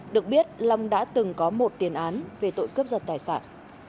được biết long đã từng có một tiền án về tội cướp giật tài sản